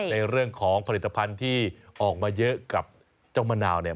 ในเรื่องของผลิตภัณฑ์ที่ออกมาเยอะกับเจ้ามะนาวเนี่ย